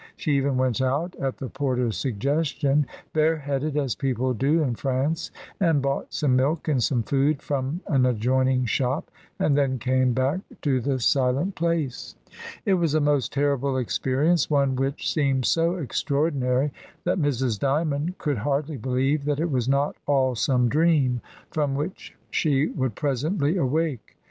She even went out, ai the porter's suggestion, bareheaded, as people do in France, and bought some milk and some food from an adjoining shop, and then came back to the silent place. It was a most terrible experience, one whidi seemed so extraordinary that Mrs. Dymond could hardly believe that it was not all some dream from which she would presently awake.